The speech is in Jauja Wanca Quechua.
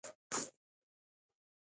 Tampukaq nunakuna samanapaqmi kalqa.